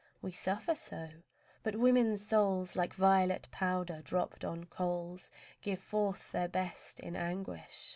We suffer so? But women's souls, Like violet powder dropped on coals, Give forth their best in anguish.